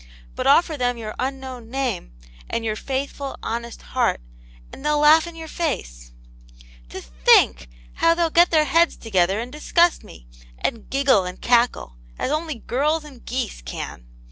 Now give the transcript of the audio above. But offer them your unknown name, and your faithful, honest heart, and they'll laugh in your face !"" To think how they'll get their heads together and discuss me, and giggle and cackle, as only girls and geese can